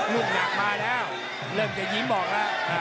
ลูกหนักมาแล้วเริ่มจะยิ้มออกแล้ว